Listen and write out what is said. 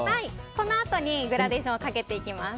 このあとにグラデーションをかけていきます。